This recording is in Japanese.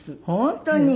本当に。